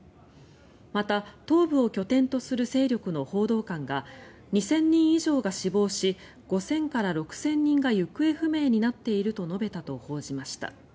また東部を拠点とする勢力の報道官が２０００人以上が死亡し５０００から６０００人が行方不明になっていると述べたと報じました。